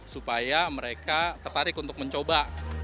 supaya mereka tertarik untuk mencoba